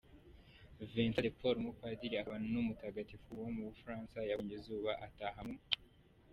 Vincent de Paul, umupadiri akaba n’umutagatifu w’umufaransa yabonye izuba, ataha mu .